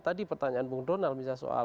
tadi pertanyaan bang donal misalnya soal